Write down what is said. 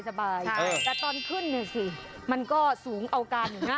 แต่ตอนขึ้นมันก็สูงเอากันนะ